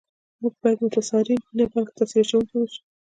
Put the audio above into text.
موږ باید متاثرین نه بلکي تاثیر اچونکي و اوسو